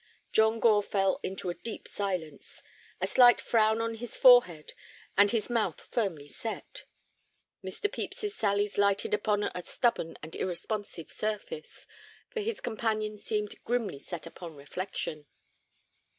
John Gore fell into a deep silence, a slight frown on his forehead and his mouth firmly set. Mr. Pepys's sallies lighted upon a stubborn and irresponsive surface, for his companion seemed grimly set upon reflection.